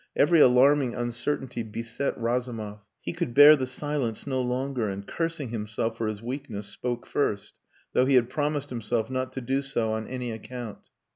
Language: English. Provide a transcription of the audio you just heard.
Every alarming uncertainty beset Razumov. He could bear the silence no longer, and cursing himself for his weakness spoke first, though he had promised himself not to do so on any account.